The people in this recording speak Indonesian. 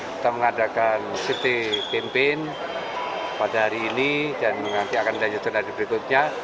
kita mengadakan city pimpin pada hari ini dan nanti akan dilanjutkan hari berikutnya